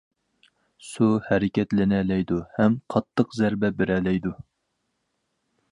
سۇ ھەرىكەتلىنەلەيدۇ ھەم قاتتىق زەربە بېرەلەيدۇ.